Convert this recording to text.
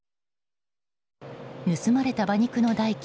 盗まれた馬肉の代金